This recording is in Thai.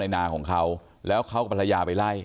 นาของเขาแล้วเขากับภรรยาไปไล่